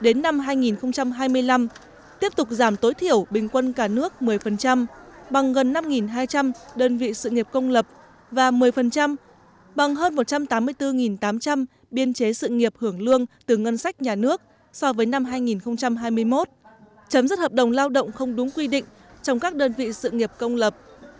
đến năm hai nghìn hai mươi năm tiếp tục giảm tối thiểu bình quân cả nước một mươi bằng gần năm hai trăm linh đơn vị sự nghiệp công lập và một mươi bằng hơn một trăm tám mươi bốn tám trăm linh biên chế sự nghiệp hưởng lương từ ngân sách nhà nước so với năm hai nghìn hai mươi một chấm dứt hợp đồng lao động không đúng quy định trong các đơn vị sự nghiệp công lập